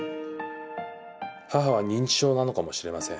母は認知症なのかもしれません。